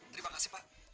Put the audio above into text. terima kasih pak